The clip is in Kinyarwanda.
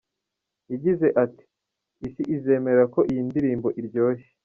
Yagize ati :”Isi izemera ko iyi ndirimbo iryoshye”.